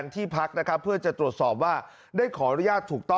ทุกฝ่าย